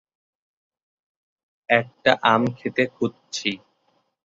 একটা আম খেতে খুঁজছি.